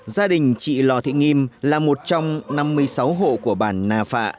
gia đình chị lò thị nghiêm là một trong năm mươi sáu hộ của bản nà phạ